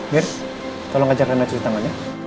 mir tolong ajak rina cuci tangannya